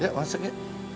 ya masuk ya